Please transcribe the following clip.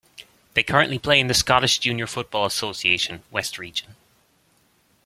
They currently play in the Scottish Junior Football Association, West Region.